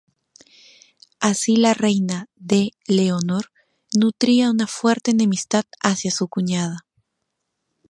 Así, la reina D. Leonor, nutría una fuerte enemistad hacia su cuñada.